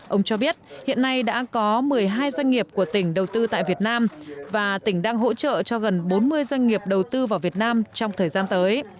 ông cho biết hiện nay đã có một mươi hai doanh nghiệp của tỉnh đầu tư tại việt nam và tỉnh đang hỗ trợ cho gần bốn mươi doanh nghiệp đầu tư vào việt nam trong thời gian tới